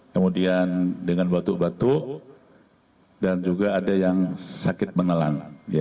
kemudian dengan batuk batuk dan juga ada yang sakit menelan